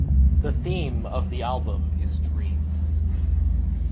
The theme of the album is dreams.